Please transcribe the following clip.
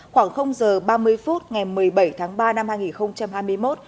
khoảng giờ ba mươi phút ngày một mươi bảy tháng ba năm hai nghìn hai mươi một